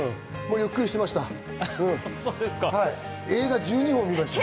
ゆっくりしました。